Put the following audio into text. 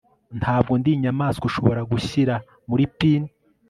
ntabwo ndi inyamaswa ushobora gushyira muri pin